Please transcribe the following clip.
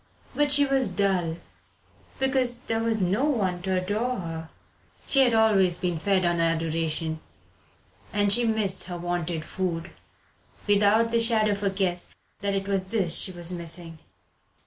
But she was dull because there was no one to adore her. She had always been fed on adoration, and she missed her wonted food without the shadow of a guess that it was this she was missing.